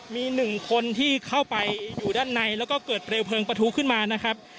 มีหนึ่งคนที่เข้าไปอยู่ด้านในแล้วก็เกิดเปลวเพลิงประทุขึ้นมานะครับ